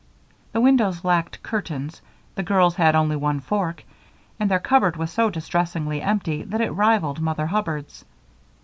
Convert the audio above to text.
The windows lacked curtains, the girls had only one fork, and their cupboard was so distressingly empty that it rivaled Mother Hubbard's.